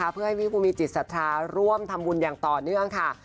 เพื่อให้พี่ผู้มีจิตศรัทธาร่วมทำบุญอย่างต่อเนื่องค่ะ